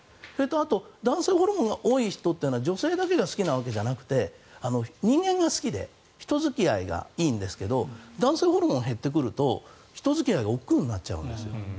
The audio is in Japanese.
あと、男性ホルモンが多い人というのは女性だけが好きなんじゃなくて人間が好きで人付き合いがいいんですけど男性ホルモンが減ってくると人付き合いがおっくうになっちゃうんですよ。